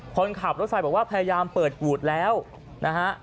คนขับรถไฟบอกว่าพยายามเปิดกูดแล้วนะฮะ